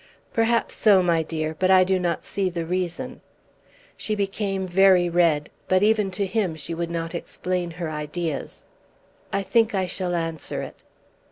"Perhaps so, my dear; but I do not see the reason." She became very red, but even to him she would not explain her ideas. "I think I shall answer it."